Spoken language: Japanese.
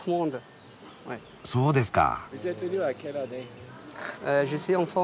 そうですか。